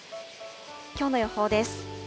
きょうの予報です。